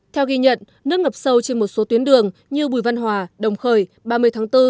theo ghi nhận nước ngập sâu trên một số tuyến đường như bùi văn hòa đồng khởi ba mươi tháng bốn